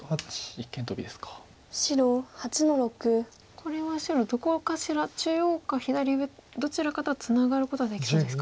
これは白どこかしら中央か左上どちらかとはツナがることはできそうですか。